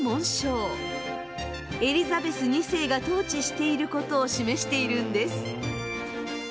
エリザベス２世が統治していることを示しているんです。